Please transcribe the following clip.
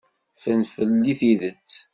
Ffren fell-i tidet.